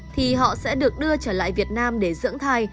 thì họ sẽ được đưa trở lại việt nam để dưỡng thai